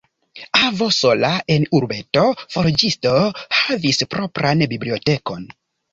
Avo, sola en urbeto forĝisto, havis propran bibliotekon.